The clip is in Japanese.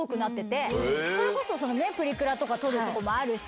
プリクラとか撮るとこもあるし。